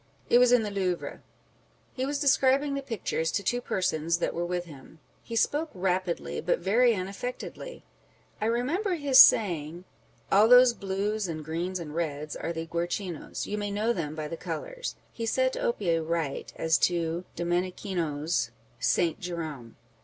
It was in the Louvre. He was describing the pictures to t\vo persons that were with him. He spoke rapidly, but very unaffectedly. I remember his saying â€" " All those blues and greens and reds are the Guercinos ; you may know them by the colours." He set Opie right as to Domenichino's Saint Jerome.